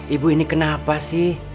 ibu ini kenapa sih